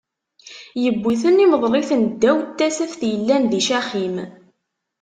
Iwwi-ten imeḍl-iten ddaw n tasaft yellan di Caxim.